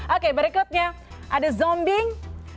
oke berikutnya ada zombing